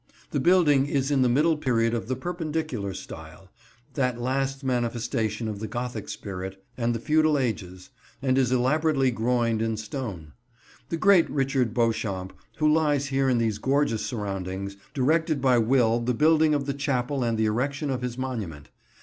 The building is in the middle period of the Perpendicular style, that last manifestation of the Gothic spirit and the feudal ages, and is elaborately groined in stone. The great Richard Beauchamp, who lies here in these gorgeous surroundings, directed by will the building of the Chapel and the erection of his monument.